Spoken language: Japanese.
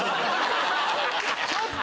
ちょっと！